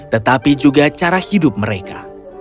tetapi juga cara hidup mereka